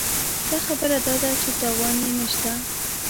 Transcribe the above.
ښه خبره داده چې تاوان یې نه شته.